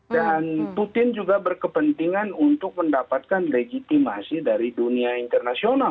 putin juga berkepentingan untuk mendapatkan legitimasi dari dunia internasional